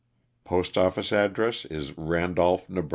Postoffice address is Kandolph, Neb.